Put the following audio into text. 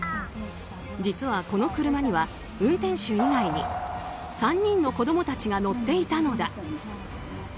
実は、この車には運転手以外に３人の子供たちが乗っていたのだ。